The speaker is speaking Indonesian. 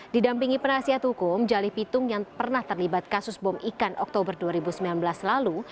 didampingi penasihat hukum jalih pitung yang pernah terlibat kasus bom ikan oktober dua ribu sembilan belas lalu